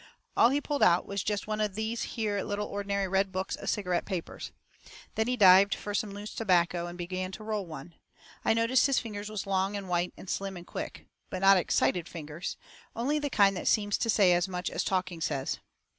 All he pulled out was jest one of these here little ordinary red books of cigarette papers. Then he dived fur some loose tobacco, and begun to roll one. I noticed his fingers was long and white and slim and quick. But not excited fingers; only the kind that seems to say as much as talking says.